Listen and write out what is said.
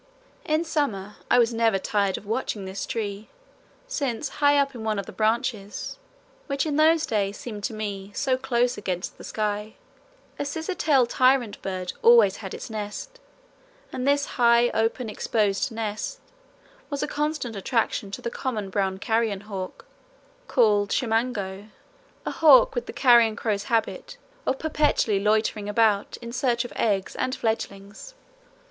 In summer I was never tired of watching this tree, since high up in one of the branches, which in those days seemed to me "so close against the sky," a scissor tail tyrant bird always had its nest, and this high open exposed nest was a constant attraction to the common brown carrion hawk, called chimango a hawk with the carrion crow's habit of perpetually loitering about in search of eggs and fledglings.